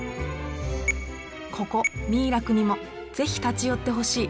ここ三井楽にも是非立ち寄ってほしい